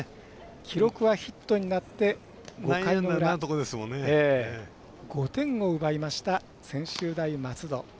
記録はヒットになって５回の裏５点を奪いました、専修大松戸。